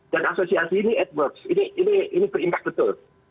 dan asosiasi ini berimpak betul